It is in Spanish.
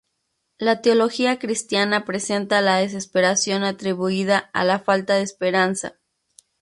La teología cristiana presenta la desesperación atribuida a la falta de esperanza.